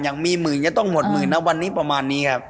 อย่างมีหมื่นก็ต้องหมดหมื่นนะวันนี้ประมาณนี้ครับ